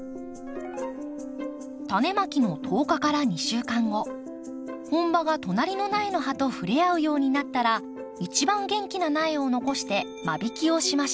タネまきの１０日から２週間後本葉が隣の苗の葉と触れ合うようになったら一番元気な苗を残して間引きをしましょう。